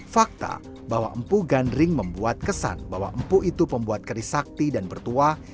fakta bahwa empu kandring membuat kesan bahwa empu itu membuat keris sakti dan bertuah